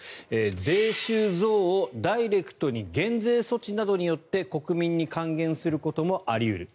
税収増をダイレクトに減税措置などによって国民に還元することもあり得る。